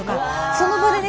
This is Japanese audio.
その場でね